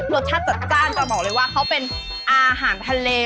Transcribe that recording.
รสชาติจัดจ้านแต่บอกเลยว่าเขาเป็นอาหารทะเล